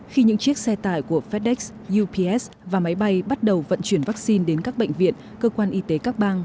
khi những chiếc xe tải của fedex ups và máy bay bắt đầu vận chuyển vaccine đến các bệnh viện cơ quan y tế các bang